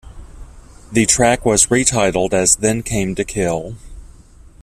The track was re-titled as "Then Came to Kill"